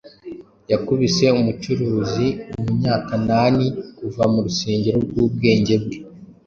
Yakubise umucuruzi Umunyakanani Kuva mu rusengero rwubwenge bwe,